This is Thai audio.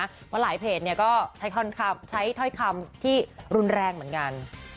เพราะหลายเพจก็ใช้ถ้อยคำที่รุนแรงเหมือนกัน